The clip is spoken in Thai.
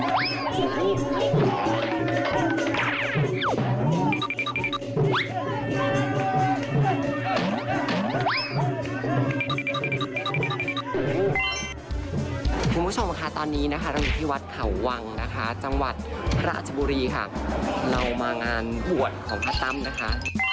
คุณผู้ชมค่ะตอนนี้นะคะเราอยู่ที่วัดเขาวังนะคะจังหวัดราชบุรีค่ะเรามางานบวชของพระตั้มนะคะ